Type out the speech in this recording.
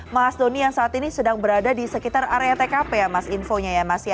mas doni yang saat ini sedang berada di sekitar area tkp ya mas infonya ya mas ya